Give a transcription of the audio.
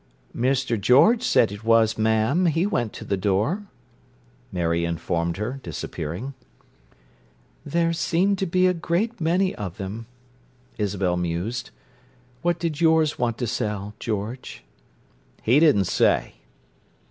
"Mister George said it was, ma'am; he went to the door," Mary informed her, disappearing. "There seem to be a great many of them," Isabel mused. "What did yours want to sell, George?" "He didn't say."